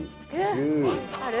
ある？